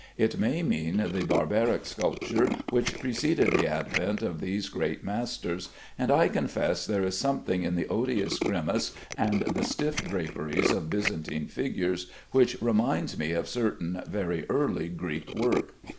It may mean the barbaric sculpture which preceded the advent of these great masters, and I confess there is something in the odious grimace and the stiff draperies of Byzantine figures which reminds me of certain very early Greek work.